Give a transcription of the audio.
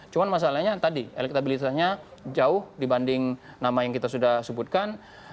cuma masalahnya tadi elektabilitasnya jauh dibanding nama yang kita sudah sebutkan